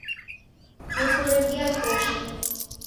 Nikuredia kesho